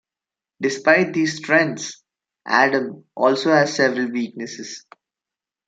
Despite these strengths, Adam also has several weaknesses.